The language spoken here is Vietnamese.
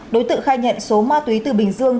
đối tượng khai nhận số ma túy từ bình dương